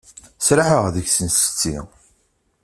Sraḥeɣ deg-sen setti.